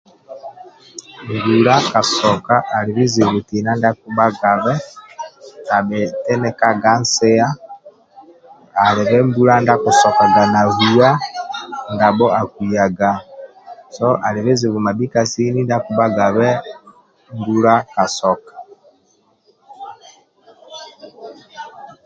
Mbula ka soka ali bizibu tina ndia akibhagabe tabhi tinikaga nsia ali mbula ndia akisokaga na huwa na ndabho akuyaga so ali bizibu mabhika ndia akibhagabe mbula ka soka